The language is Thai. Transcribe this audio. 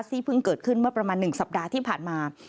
ซึ่งเพิ่งเกิดขึ้นเมื่อประมาณ๑สัปดาห์ที่ผ่านมา